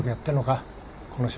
この島で。